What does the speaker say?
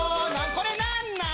これ何なん？